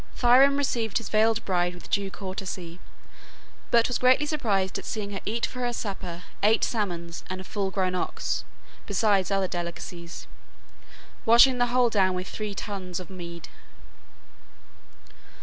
Thrym received his veiled bride with due courtesy, but was greatly surprised at seeing her eat for her supper eight salmons and a full grown ox, besides other delicacies, washing the whole down with three tuns of mead.